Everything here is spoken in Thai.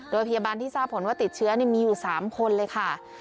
โดยพยาบาลที่ทราบผลว่าติดเชื้อมีอยู่๓คนเลยค่ะ